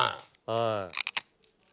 はい。